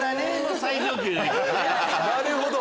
なるほど！